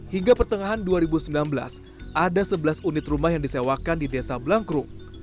hingga pertengahan dua ribu sembilan belas ada sebelas unit rumah yang disewakan di desa blangkrum